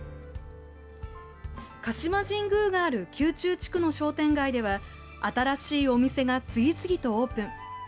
鹿島神宮がある宮中地区の商店街では新しいお店が次々とオープン。